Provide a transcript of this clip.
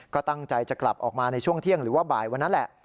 ก็ตั้งใจจะกลับออกมาในช่วงเที่ยงหรือว่าบ่ายวันนั้นแหละ